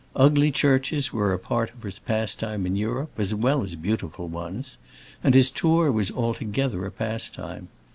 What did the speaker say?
Ugly churches were a part of his pastime in Europe, as well as beautiful ones, and his tour was altogether a pastime.